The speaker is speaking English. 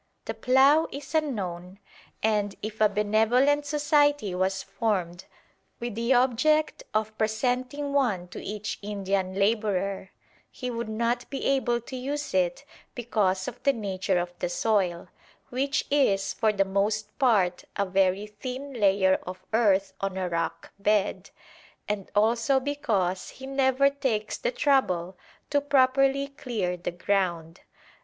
The plough is unknown, and if a benevolent society was formed with the object of presenting one to each Indian labourer, he would not be able to use it because of the nature of the soil, which is for the most part a very thin layer of earth on a rock bed, and also because he never takes the trouble to properly clear the ground.